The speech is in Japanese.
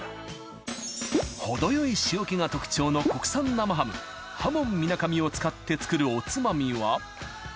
程よい塩気が特徴の国産生ハムはもんみなかみを使って作るおつまみは。